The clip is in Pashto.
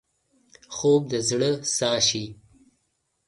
خوب د زړه ساه شي